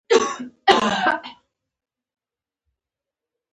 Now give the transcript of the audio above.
د پایزیب شرنګ دی ورو ورو ږغیږې